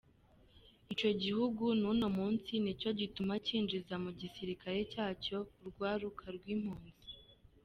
Ico gihugu n’uno munsi nico kiguma cinjiza mu gisirikare caco urwaruka rw’impunzi.